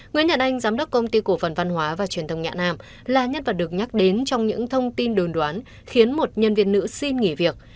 nguyễn nhật anh giám đốc công ty cổ phần văn hóa và truyền thông nhạ nam là nhân vật được nhắc đến trong những thông tin đồn đoán khiến một nhân viên nữ xin nghỉ việc